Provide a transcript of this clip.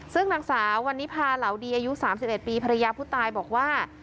ซึ่งนางสาววันนี้พาเหลาดีอายุ๓๑ปีภรรยาผู้ตายบอกว่า